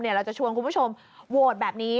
เราจะชวนคุณผู้ชมโหวตแบบนี้